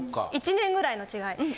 １年ぐらいの違い。